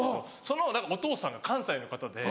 そのお父さんが関西の方で。